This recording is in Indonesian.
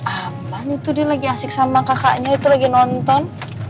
aman itu dia lagi asik sama kakaknya itu lagi nonton